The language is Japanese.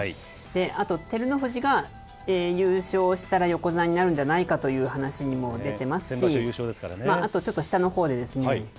あと、照ノ富士が優勝したら、横綱になるんじゃないかという話も出てますし、あとちょっと、下のほうで。